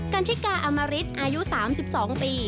กัณฑิกาอำมาริตอายุ๓๒ปี